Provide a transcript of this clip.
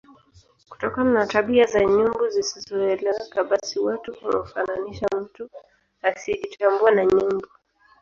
Kutokana na tabia za nyumbu zisizoeleweka basi watu humfananisha mtu asiejitambua na nyumbu